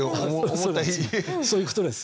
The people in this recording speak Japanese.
そういうことです。